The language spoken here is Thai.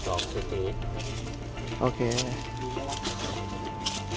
ตอนนี้เจออะไรบ้างครับ